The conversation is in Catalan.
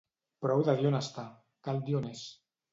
Prou de dir on està, cal dir on és.